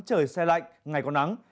trời xe lạnh ngày có nắng